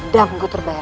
dan ku terbayar